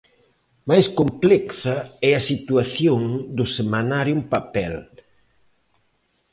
Mais complexa é a situación do semanario en papel.